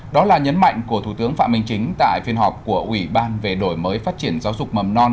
đó là nhấn mạnh của thủ tướng phạm minh chính tại phiên họp của ủy ban về đổi mới phát triển giáo dục mầm non